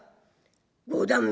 『五段目』